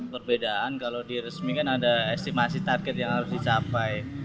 perbedaan kalau di resmi kan ada estimasi target yang harus dicapai